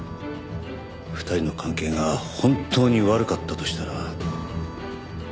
２人の関係が本当に悪かったとしたら。